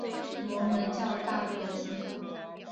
摩门教大队的信徒。